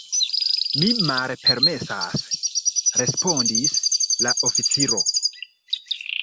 “Mi malpermesas,” respondis la oficiro.